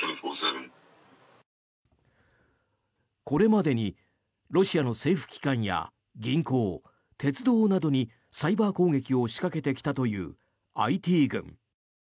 これまでにロシアの政府機関や銀行、鉄道などにサイバー攻撃を仕掛けてきたというＩＴ軍。